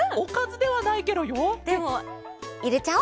でもいれちゃおう。